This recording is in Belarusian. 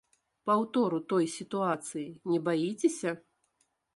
Паўтору той сітуацыі не баіцеся?